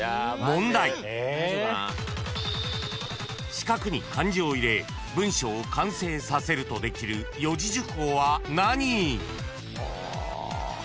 ［四角に漢字を入れ文章を完成させるとできる四字熟語は何？］